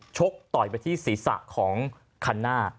ชกต่อยไปที่ศีรษะของคันหน้า